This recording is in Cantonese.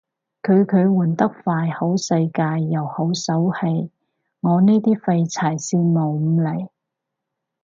巨巨換得快好世界又好手氣，我呢啲廢柴羨慕唔嚟